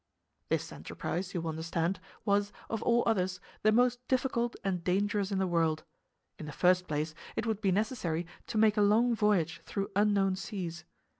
This enterprise, you will understand, was, of all others, the most difficult and dangerous in the world. In the first place, it would be necessary to make a long voyage through unknown seas.